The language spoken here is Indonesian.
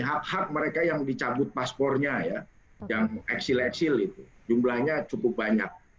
hak hak mereka yang dicabut paspornya ya yang eksil eksil itu jumlahnya cukup banyak